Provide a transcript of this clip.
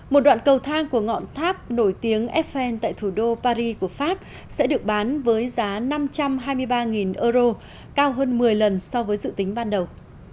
một đoạn cầu thang của ngọn tháp nổi tiếng effel tại thủ đô paris của pháp sẽ được bán với giá năm trăm hai mươi ba euro cao hơn một mươi lần so với dự tính ban đầu